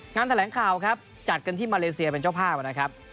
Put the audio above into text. งานแถลงข่าวครับจัดกันที่มาเลเซียเป็นเจ้าภาพนะครับ